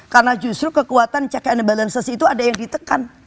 karena justru kekuatan check and balances itu ada yang ditekan